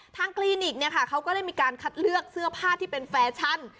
คลินิกเนี่ยค่ะเขาก็ได้มีการคัดเลือกเสื้อผ้าที่เป็นแฟชั่น